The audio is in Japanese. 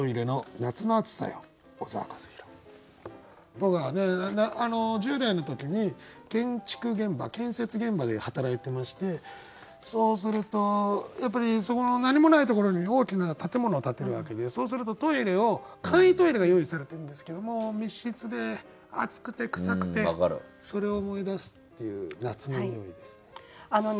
僕は１０代の時に建設現場で働いてましてそうするとやっぱりそこの何もないところに大きな建物を建てるわけでそうするとトイレを簡易トイレが用意されてるんですけども密室で暑くて臭くてそれを思い出すっていう夏のにおいですね。